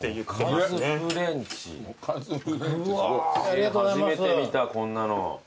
初めて見たこんなの。